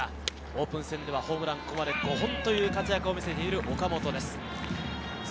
オープン戦ではホームラン、ここまで５本という活躍を見せている岡本です。